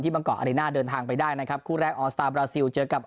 บางเกาะอารีน่าเดินทางไปได้นะครับคู่แรกออสตาร์บราซิลเจอกับ